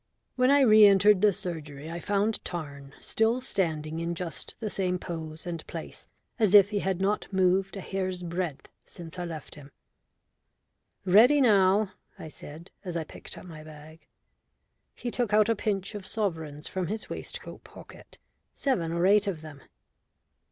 When I re entered the surgery I found Tarn still standing in just the same pose and place, as if he had not moved a hair's breadth since I left him. "Ready now," I said, as I picked up my bag. He took out a pinch of sovereigns from his waistcoat pocket, seven or eight of them.